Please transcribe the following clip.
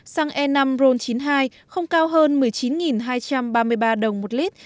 xăng e năm ron chín mươi hai không cao hơn một mươi chín hai trăm ba mươi ba đồng một lít